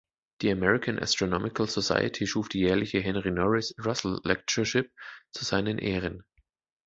Die American Astronomical Society schuf die jährliche Henry Norris Russell Lectureship zu seinen Ehren.